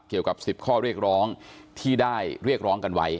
เกี่ยวกับ๑๐ข้อเรียกร้องที่ได้เรียกร้องกันไว้